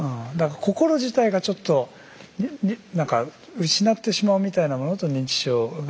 心自体がちょっとなんか失ってしまうみたいなものと認知症が近いかも。